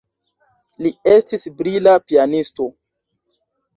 Li estis brila pianisto.